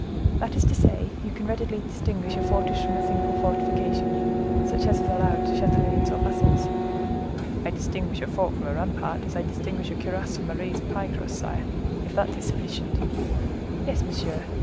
"That is to say you can readily distinguish a fortress from a simple fortification, such as is allowed to chatelains or vassals?" "I distinguish a fort from a rampart as I distinguish a cuirass from a raised pie crust, sire. Is that sufficient?" "Yes, monsieur.